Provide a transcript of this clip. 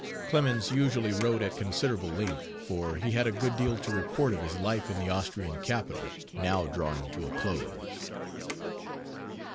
Clemens usually wrote at considerable length, for he had a good deal to report of his life in the Austrian capital, now drawing to a close.